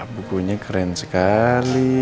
bukunya keren sekali